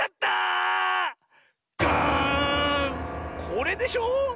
これでしょ！